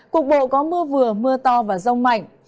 cục bộ có mưa vừa mưa to và rông mạnh